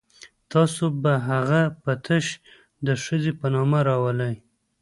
تاسو به هغه په تش د ښځې په نامه راولئ.